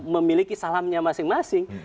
memiliki salamnya masing masing